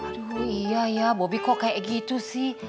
aduh iya ya bobi kok kayak gitu sih